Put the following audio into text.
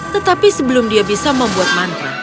tetapi sebelum dia bisa membuat mantra